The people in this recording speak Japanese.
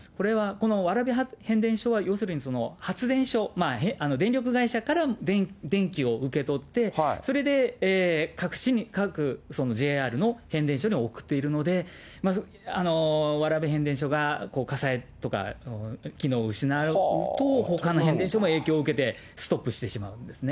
この蕨変電所は要するに、発電所、電力会社から電気を受け取って、それで各地に、各ＪＲの変電所に送っているので、蕨変電所が火災とか、機能を失うと、ほかの変電所も影響を受けてストップしてしまうんですね。